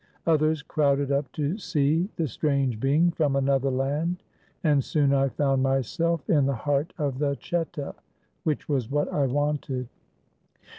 Others crowded up to see the strange being from another land, and soon I found myself in the heart of the cheta — which was what I wanted.